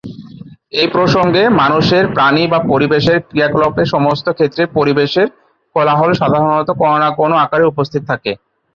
এই প্রসঙ্গে, মানুষের, প্রাণী বা পরিবেশের ক্রিয়াকলাপের সমস্ত ক্ষেত্রে পরিবেশের কোলাহল সাধারণত কোনও না কোনও আকারে উপস্থিত থাকে।